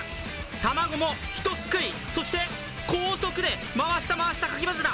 卵も１すくい、そして高速で回した回した、かき混ぜた！